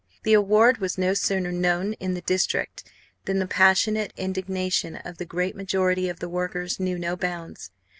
The award was no sooner known in the district than the passionate indignation of the great majority of the workers knew no bounds.